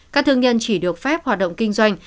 các thương nhân chỉ được phép hoạt động kinh doanh